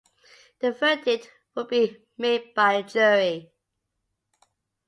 The verdict would be made by a jury.